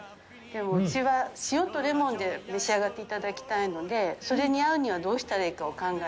うちは塩とレモンで召し上がっていただきたいのでそれに合うにはどうしたらいいかを考えて。